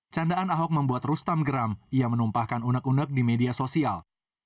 candaan ahok membuat rustam geram ia menumpahkan unek unek di media sosial